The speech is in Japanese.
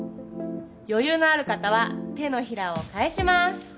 余裕のある方は手のひらを返します